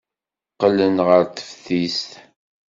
Qqlen ɣer teftist.